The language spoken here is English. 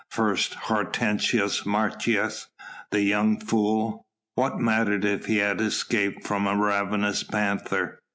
First Hortensius Martius, that young fool! What mattered if he had escaped from a ravenous panther?